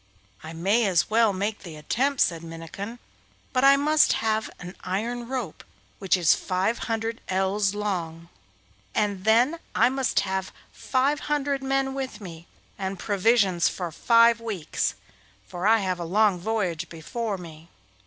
'I may as well make the attempt,' said Minnikin, 'but I must have an iron rope which is five hundred ells long, and then I must have five hundred men with me, and provisions for five weeks, for I have a long voyage before me.